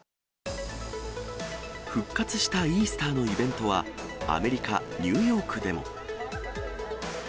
復活したイースターのイベントは、アメリカ・ニューヨークでも。